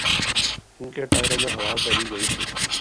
ان کے ٹائروں میں ہوا بھری گئی تھی۔